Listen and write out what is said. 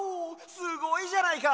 すごいじゃないか。